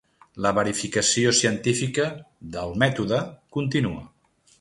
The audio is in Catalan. La verificació científica del Mètode continua.